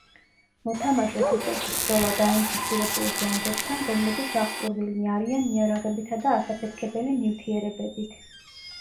მოთამაშეს უწევს ბრძოლა დაინფიცირებულ ზომბებთან, რომლებიც აღჭურვილნი არიან იარაღებითა და ასაფეთქებელი ნივთიერებებით.